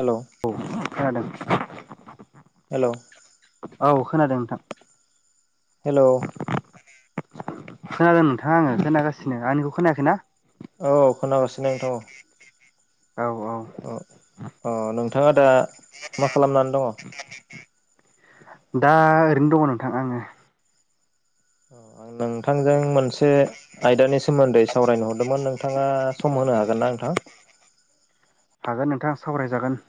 हेल' औ खोनादों। हेल' औ खोनादों नोंथां हेल' खोनादों नोंथाङा आङो खोनागासिनो आंनिखौ खोनायाखैना? औ खोनागासिनो नोंथां। औ औ औ अ नोंथाङा दा मा खालामनानै दङ? दा ओरैनो दङ नोंथां आङो आं नोंथांजों मोन से आयदानि सोमोन्दै सावरायनो हरदोंमोन नों नोंथाङा सम होनो हागोन ना नोंथां? हागोन नोंथाङा सावरायजागोन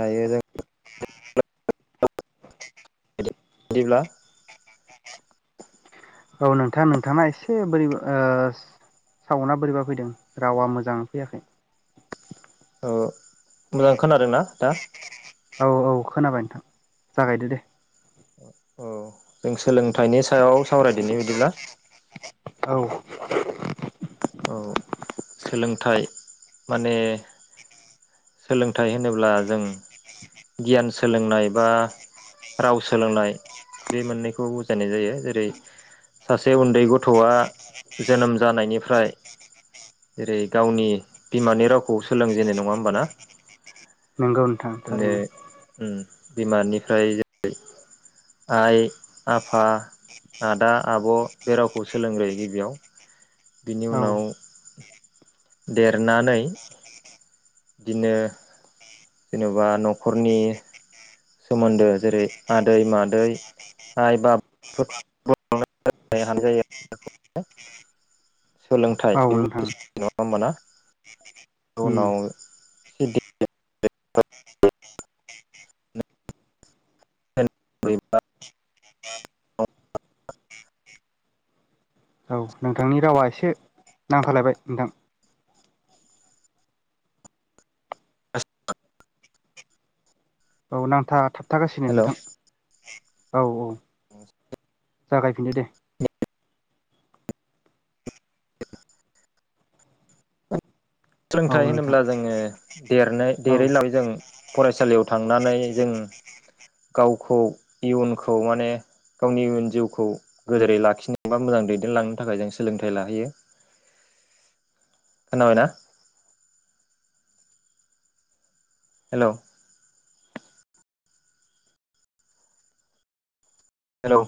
दायो जों बिदिब्ला [inaudible] औ नोंथां नोंथांना एसे बोरै ओ सावना बोरैबा फैदों रावा मोजां फैयाखै मोजां खोनादों ना दा? औ औ खोनाबाय नोंथां जागायदो दे औ जों सोलोंथाइनि सायाव सावरायदिनि बिदिब्ला औ औ सोलोंथाइ माने सोलोंथाइ होनोब्ला जों गियान सोलोंनाय बा राव सोलोंनाय बे मोननैखौ बुजायनाय जायो जेरै सासे उन्दै गथ'आ जोनोम जानायनिफ्राय जेरै गावनि बिमानि रावखौ सोलोंजेनो नङा होमबा ना? नंगौ नोंथां थारैनो उम बिमानिफ्राय जेरै आइ आफा आदा आब' बे रावखौ सोलोंग्रोयो गिबियाव बिनि औ उनाव देरनानै बिदिनो जेनेबा न'खरनि सोमोन्दो जेरै आदै मादै आइ बाब [unintelligible] औ नोंथां उनाव उम [unintelligible] [unintelligible] औ नोंथांनि रावा एसे नांथालायबाय नोंथां औ नांथा थाब थागासिनो हेल' नोंथां औ औ जागायफिनो दे। [unintelligible] औ सोलोंथाइ नोंथां होनोब्ला जोङो देरनो औ देरैलाबायै जों फरायसालियाव थांनानै जों गावखौ इयुनखौ माने गावनि इयुन जिउखौ गोदोरै लाखिनो बा मोजां दैदेनलांनो थाखाय जों सोलोंथाइ लाहैयो खोनाबायना। हेल'? हेल'?